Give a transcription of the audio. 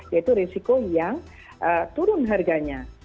yaitu risiko yang turun harganya